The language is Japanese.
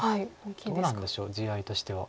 どうなんでしょう地合いとしては。